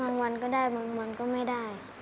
วันก็ได้บางวันก็ไม่ได้